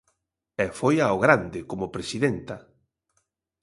E foi ao grande, como presidenta.